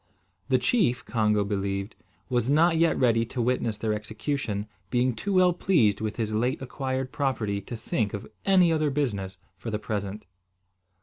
The chief, Congo believed, was not yet ready to witness their execution, being too well pleased with his late acquired property to think of any other business for the present.